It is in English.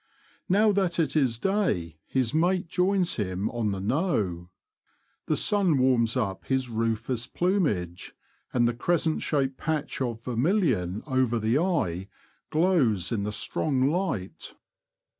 Now that it is day his mate joins him on the '^ knowe." The sun warms up his rufus plumage, and the crescent shaped patch of vermilion over the eye glows in the strong light.